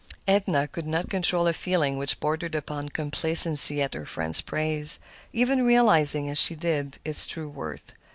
Edna could not control a feeling which bordered upon complacency at her friend's praise, even realizing, as she did, its true worth.